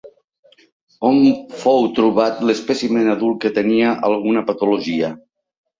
On fou trobat l'espècimen adult que tenia alguna patologia?